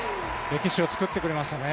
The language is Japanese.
歴史を作ってくれましたね。